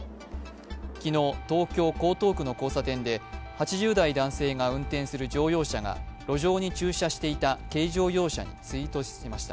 昨日、東京・江東区の交差点で８０代の男性が運転する乗用車が路上に駐車していた軽乗用車に追突しました。